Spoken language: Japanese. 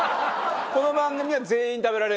この番組は、全員、食べられる。